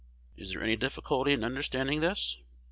Is there any difficulty in understanding this?